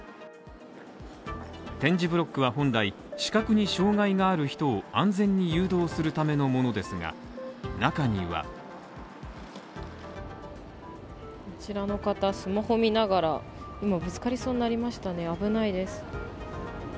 点字ブロックは本来、視覚に障害のある人を安全に誘導するためのものですが、中にはこちらの方、スマホを見ながら、今ぶつかりそうになりましたね危ないです。